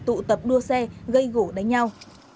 tụ tập đua xe gây gỗ đánh nhau